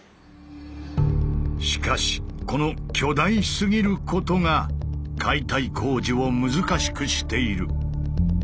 しかしこの「巨大すぎること」が解体工事を難しくしている。